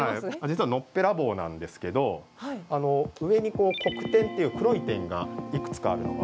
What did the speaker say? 実はのっぺらぼうなんですけど上に黒点っていう黒い点がいくつかあるのが分かると。